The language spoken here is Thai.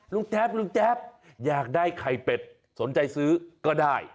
แจ๊บลุงแจ๊บอยากได้ไข่เป็ดสนใจซื้อก็ได้